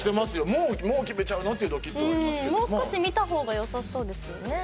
もう少し見た方がよさそうですよね。